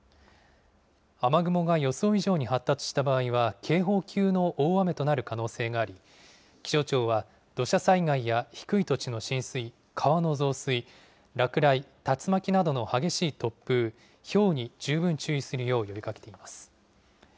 雨雲が予想以上に発達した場合は、警報級の大雨となる可能性があり、気象庁は土砂災害や低い土地の浸水、川の増水、落雷、竜巻などの激しい突風、ひょうに十分注意するよう呼びかけています。